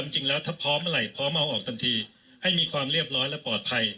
จริงแล้วถ้าพร้อมเมื่อไหร่พร้อมเอาออกทันทีให้มีความเรียบร้อยและปลอดภัย